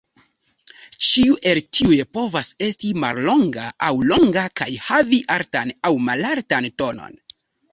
Ĉiu el tiuj povas esti mallonga aŭ longa kaj havi altan aŭ malaltan tonon.